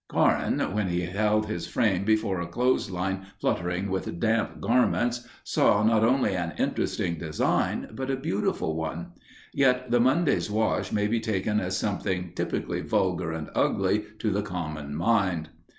Korin, when he held his frame before a clothes line fluttering with damp garments, saw not only an interesting design, but a beautiful one; yet the Monday's wash might be taken as something typically vulgar and ugly to the common mind.